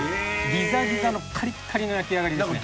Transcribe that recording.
ギザギザのカリッカリの焼き上がりですね。